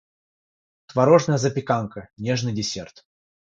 Творожная запеканка - нежный десерт.